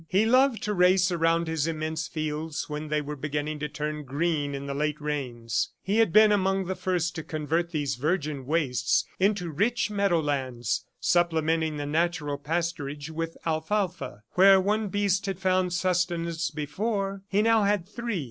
He loved to race around his immense fields when they were beginning to turn green in the late rains. He had been among the first to convert these virgin wastes into rich meadow lands, supplementing the natural pasturage with alfalfa. Where one beast had found sustenance before, he now had three.